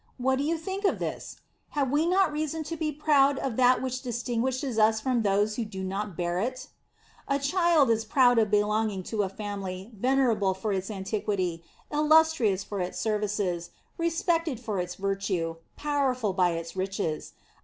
What do you think of this ? Hav i we not reason to be proud 64 The Sign of the Cross. 65 of that which distinguishes us from those who do not bear it? A child is proud of belonging to a family venerable for its antiquity, illustrious for its services, respected for its virtue, powerful, by its riches.